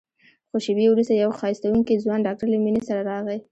څو شېبې وروسته يو ښايستوکى ځوان ډاکتر له مينې سره راغى.